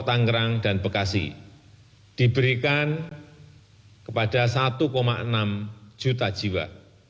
tangerang dan bekasi diberikan kepada satu enam juta jiwa